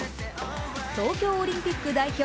東京オリンピック代表